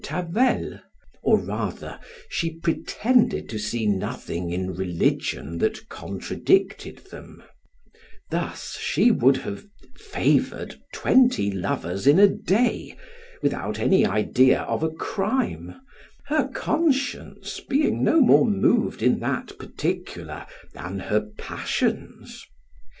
Tavel, or rather she pretended to see nothing in religion that contradicted them; thus she would have favored twenty lovers in a day, without any idea of a crime, her conscience being no more moved in that particular than her passions.